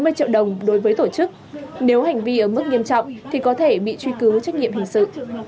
ba mươi triệu đồng đối với tổ chức nếu hành vi ở mức nghiêm trọng thì có thể bị truy cứu trách nhiệm hình sự